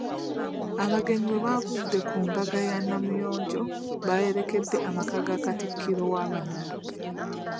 Abagenyi bwe baavudde ku mbuga ya Namuyonjo baayolekedde amaka ga Katikkiro w'Abanyala.